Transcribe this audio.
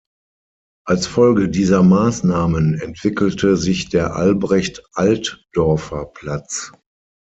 Als Folge dieser Maßnahmen entwickelte sich der Albrecht-Altdorfer-Platz.